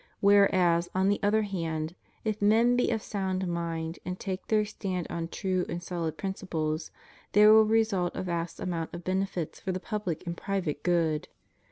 Whereas, on the other hand, if men be of sound mind and take their stand on true and solid principles, there will result a vast amount of benefits for the public and private good.